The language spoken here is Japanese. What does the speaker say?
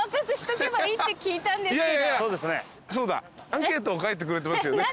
アンケート書いてくれてますよね？